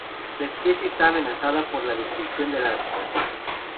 La especie está amenazada por la destrucción del hábitat.